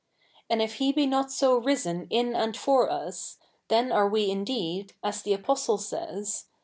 And if He be 7iot so risen in and for us, the7i are we i7ideed, as the Apostle savs.